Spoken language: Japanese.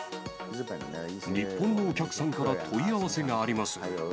日本のお客さんから問い合わせがあります。